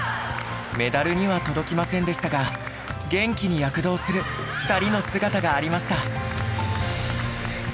メダルには届きませんでしたが元気に躍動する２人の姿がありました。